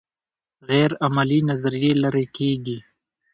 غیر عملي نظریې لرې کیږي.